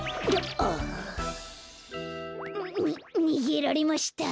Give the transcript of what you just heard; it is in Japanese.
ああ。ににげられました。